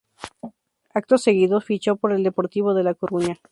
Acto seguido, fichó por el Deportivo de La Coruña.